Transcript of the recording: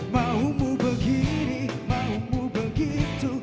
mau mu begini mau mu begitu